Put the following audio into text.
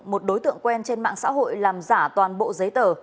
một đối tượng quen trên mạng xã hội làm giả toàn bộ giấy tờ